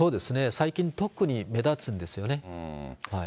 最近特に目立つんですよね。